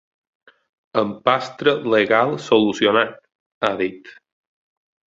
“Empastre legal solucionat”, ha dit.